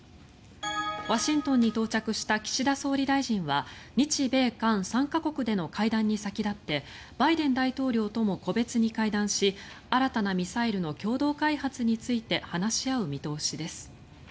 ワシントンに到着した岸田総理大臣は日米韓３か国での会談に先立ってバイデン大統領とも個別に会談し新たなミサイルの共同開発について話し合う見通しです。